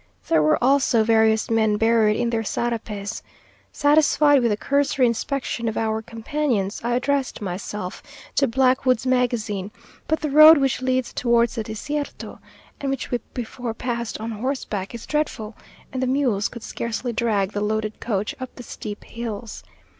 There were also various men buried in their sarapes. Satisfied with a cursory inspection of our companions, I addressed myself to Blackwood's Magazine, but the road which leads towards the Desierto, and which we before passed on horseback, is dreadful, and the mules could scarcely drag the loaded coach up the steep hills.